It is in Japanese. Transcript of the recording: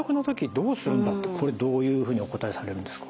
これどういうふうにお答えされるんですか？